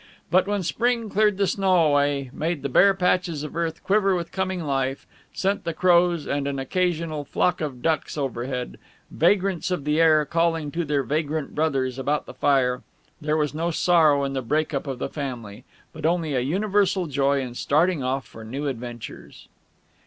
But when spring cleared the snow away, made the bare patches of earth quiver with coming life, sent the crows and an occasional flock of ducks overhead vagrants of the air, calling to their vagrant brothers about the fire there was no sorrow in the break up of the family, but only a universal joy in starting off for new adventures.